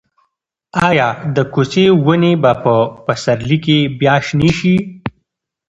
ایا د کوڅې ونې به په پسرلي کې بیا شنې شي؟